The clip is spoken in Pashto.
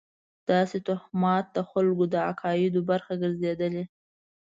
داسې توهمات د خلکو د عقایدو برخه ګرځېدلې.